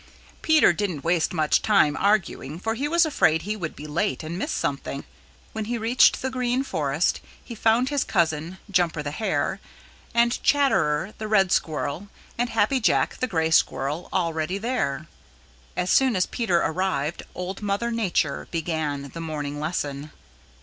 Peter didn't waste much time arguing for he was afraid he would be late and miss something. When he reached the Green Forest he found his cousin, Jumper the Hare, and Chatterer the Red Squirrel, and Happy Jack the Gray Squirrel, already there. As soon as Peter arrived Old Mother Nature began the morning lesson.